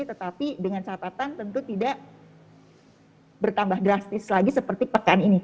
tetapi dengan catatan tentu tidak bertambah drastis lagi seperti pekan ini